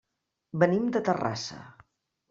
Venim de Terrassa.